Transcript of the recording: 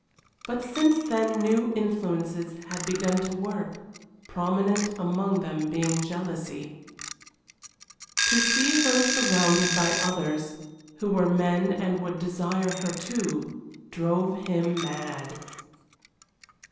But since then new influences had begun to work prominent among them being jealousy. To see her surrounded by others who were men and would desire her, too drove him mad.